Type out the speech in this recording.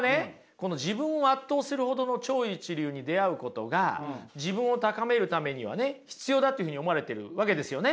この自分を圧倒するほどの超一流に出会うことが自分を高めるためにはね必要だっていうふうに思われてるわけですよね。